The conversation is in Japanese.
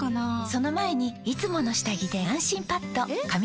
その前に「いつもの下着で安心パッド」え？！